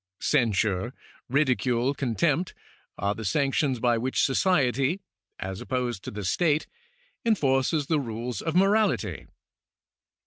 Cen sure, ridicule, contempt, are the sanctions by which society (as opposed to the state) enforces the rules of morality.